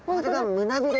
胸びれ。